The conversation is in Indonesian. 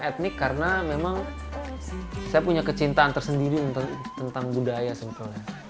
saya punya etnik karena memang saya punya kecintaan tersendiri tentang budaya sebenarnya